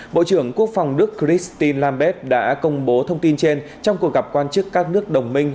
bộ trưởng quốc phòng đức christiel lambeck đã công bố thông tin trên trong cuộc gặp quan chức các nước đồng minh